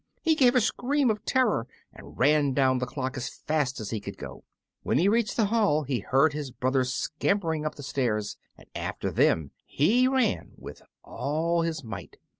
He gave a scream of terror and ran down the clock as fast as he could go. When he reached the hall he heard his brothers scampering up the stairs, and after them he ran with all his might.